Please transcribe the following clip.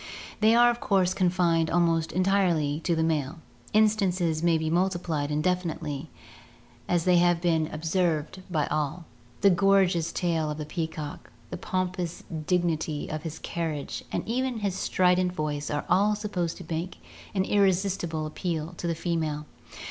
They are of course confined almost entirely to the male. Instances may be multiplied indefinitely, as they have been ob« 120 ORGANIC EVOLUTION served by all — the gorgeous tail of the peacock, the pompous dig nity of his carriage and even his strident voice are all supposed to make an irresistible appeal to the female.